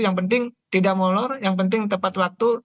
yang penting tidak molor yang penting tepat waktu